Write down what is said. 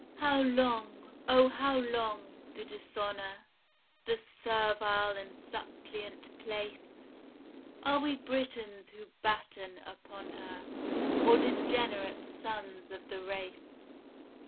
How long, O how long, the dishonor, The servile and suppliant place? Are we Britons who batten upon her, Or degenerate sons of the race?